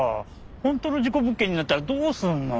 本当の事故物件になったらどうすんの？